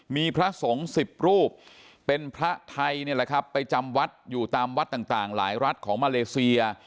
มีพระสงฆ์๑๐รูปเป็นพระไทยนี่แหละครับไปจำวัดอยู่ตามวัดต่างหลายรัฐของมาเลเซีย